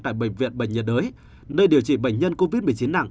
tại bệnh viện bệnh nhiệt đới nơi điều trị bệnh nhân covid một mươi chín nặng